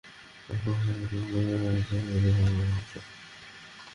কারণ হলো, প্রবঞ্চনা ইহুদীদের ধর্মের অংশ।